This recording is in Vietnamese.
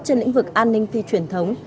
trên lĩnh vực an ninh phi truyền thống